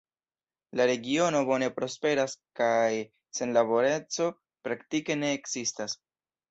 La regiono bone prosperas kaj senlaboreco praktike ne ekzistas.